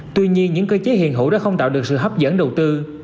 tuy nhiên những cơ chế hiện hữu đã không tạo được sự hấp dẫn đầu tư